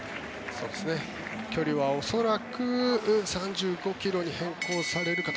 距離は恐らく３５ｋｍに変更されるかと。